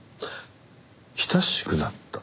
親しくなった。